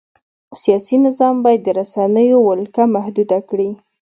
سیاسي نظام باید د رسنیو ولکه محدوده کړي.